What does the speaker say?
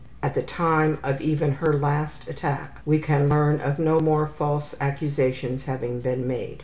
At the time of even her last attack we can learn of no more false accusations having been made.